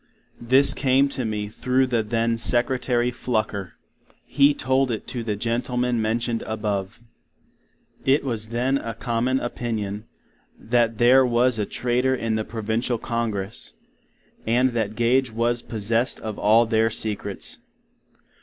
(This came to me through the then Secretary Flucker; He told it to the Gentleman mentioned above). It was then a common opinion, that there was a Traytor in the provincial Congress, and that Gage was posessed of all their Secrets.